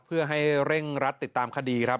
เพื่อให้เร่งรัดติดตามคดีครับ